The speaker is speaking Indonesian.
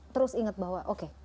terus ingat bahwa